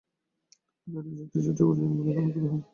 তিনি আধ্যাতিক শক্তির চর্চা করেছিলেন বলে ধারণা করা হয়।